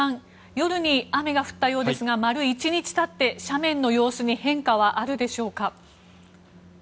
夜に雨が降ったようですが丸１日たって斜面の様子に変化はあるでしょうか？